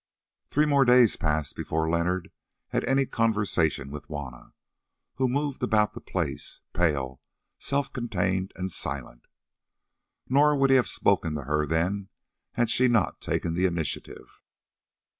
Three more days passed before Leonard had any conversation with Juanna, who moved about the place, pale, self contained, and silent. Nor would he have spoken to her then had she not taken the initiative.